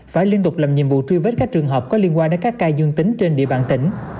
phải liên tục làm nhiệm vụ truy vết các trường hợp có liên quan đến các ca dương tính trên địa bàn tỉnh